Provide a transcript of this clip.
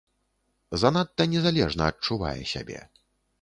Занадта незалежна адчувае сябе.